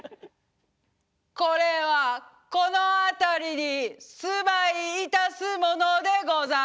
「これはこのあたりに住まいいたすものでござる」。